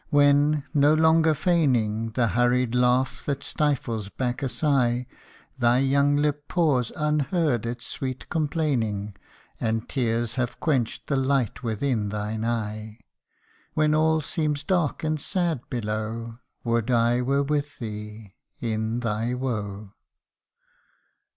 when, no longer feigning The hurried laugh that stifles back a sigh ; Thy young lip pours unheard its sweet complaining, And tears have quenched the light within thine eye : When all seems dark and sad below, Would I were with thee in thy woe ! R 2 260 WOULD I WERE WITH THEE